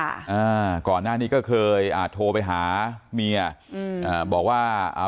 อ่าก่อนหน้านี้ก็เคยอ่าโทรไปหาเมียอืมอ่าบอกว่าอ่า